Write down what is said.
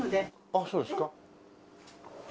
あっそうですか。